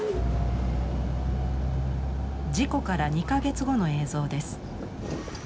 事故から２か月後の映像です。